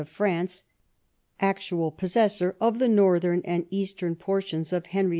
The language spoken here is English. of France, actual possessor of the northern and eastern portions of Henry II.